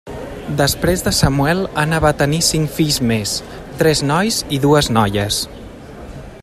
Després de Samuel Anna va tenir cinc fills més, tres nois i dues noies.